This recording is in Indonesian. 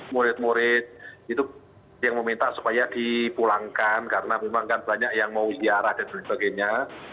murid murid itu yang meminta supaya dipulangkan karena memang kan banyak yang mau ziarah dan sebagainya